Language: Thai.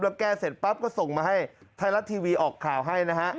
แล้วแก้เสร็จปั๊บก็ส่งมาให้ไทยรัฐทีวีออกข่าวให้นะฮะ